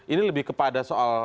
ini lebih kepada soal